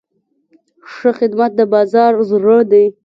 ښه خدمت د بازار زړه دی.